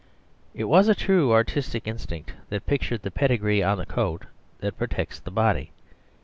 It was a true artis tic instinct that pictured the pedigree on a coat that protects the body.